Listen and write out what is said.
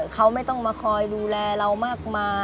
เขาไม่ต้องมาคอยดูแลเรามากมาย